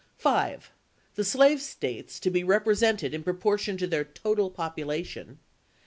5. The slave States to be represented in proportion to their total population.